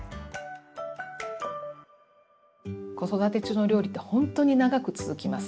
子育て中の料理って本当に長く続きます。